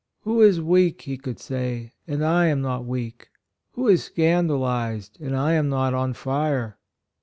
"Who is weak, he could say, and I am not weak ? Who is scandalized and I am not on fire."